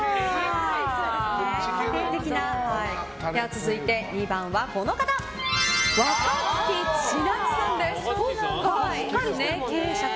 続いて２番は、若槻千夏さんです。